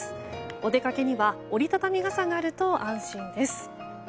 お出かけには折り畳み傘があると安心です。